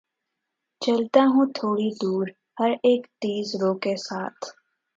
چلتا ہوں تھوڑی دور‘ ہر اک تیز رو کے ساتھ